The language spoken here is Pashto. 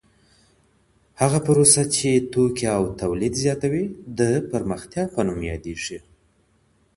هغه پروسه چي توکي او تولید زیاتوي د پرمختیا په نوم یادیږي.